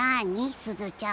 すずちゃん。